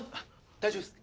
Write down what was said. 大丈夫ですか？